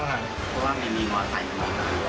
เพราะว่าไม่มีเมาะไข่มาก